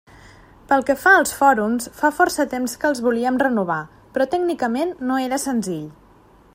Pel que fa als fòrums, fa força temps que els volíem renovar, però tècnicament no era senzill.